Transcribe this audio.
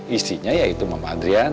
istrinya yaitu mama adriana